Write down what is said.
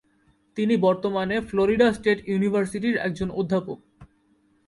তিনি বর্তমানে Florida state ইউনিভার্সিটির একজন অধ্যাপক।